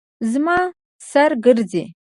زما سر ګرځي